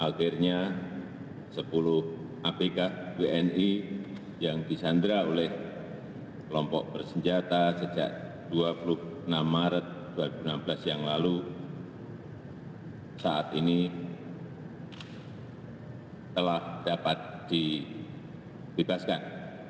dan akhirnya sepuluh apk tni yang disandera oleh kelompok bersenjata sejak dua puluh enam maret dua ribu enam belas yang lalu saat ini telah dapat dibebaskan